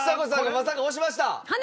まさか押しました。